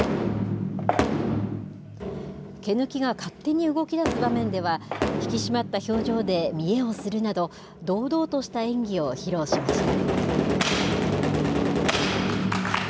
毛抜が勝手に動きだす場面では、引き締まった表情で見得をするなど、堂々とした演技を披露しました。